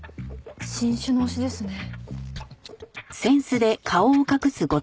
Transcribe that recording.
新種の推しですね。